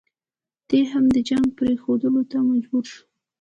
دی هم د جنګ پرېښودلو ته مجبور شو.